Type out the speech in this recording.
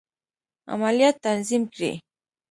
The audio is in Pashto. عملیات تنظیم کړي.